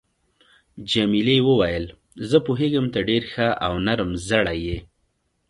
جميلې وويل: زه پوهیږم ته ډېر ښه او نرم زړی یې.